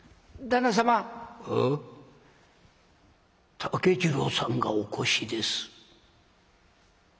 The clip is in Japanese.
「竹次郎さんがお越しです」。